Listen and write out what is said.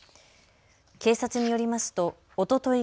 警察によりますとおととい